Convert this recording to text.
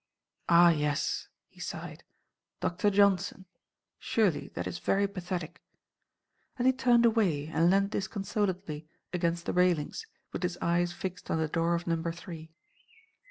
"Ah, yes," he sighed, "Doctor Johnson. Surely that is very pathetic." And he turned away and leant disconsolately against the railings, with his eyes fixed on the door of Number Three.